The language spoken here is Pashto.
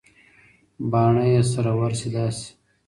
باڼه يې سره ورسي داسـي